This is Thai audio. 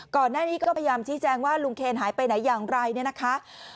ก่อนหน้านี้ก็พยายามชี้แจงว่าลุงเคนหายไปไหนอย่างไรเนี่ยนะคะ